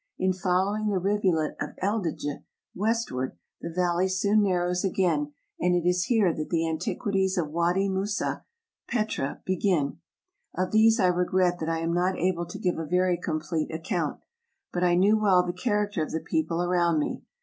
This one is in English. In following the rivulet of Eldjy westward, the valley soon narrows again, and it is here that the antiquities of Wady Moussa (Petra) begin. Of these I regret that I am not able to give a very complete account; but I knew well the character of the people around me.